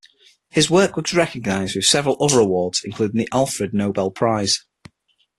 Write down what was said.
His work was recognized with several other awards including the Alfred Noble Prize.